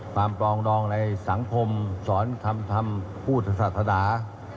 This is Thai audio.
ความปลองดองในสังคมสอนคำธรรมพูดศักดา